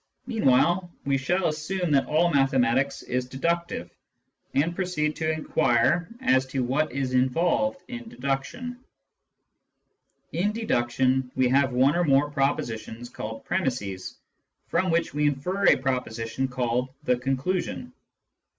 Mean while, we shall assume that all mathematics is deductive, and proceed to inquire as to what is involved in deduction. In deduction, we have one or more propositions called pre misses, from which we infer a proposition called the conclusion.